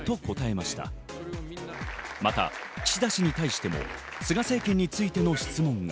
また岸田氏に対しても菅政権についての質問が。